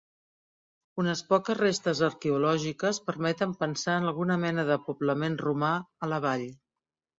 Unes poques restes arqueològiques permeten pensar en alguna mena de poblament romà a la vall.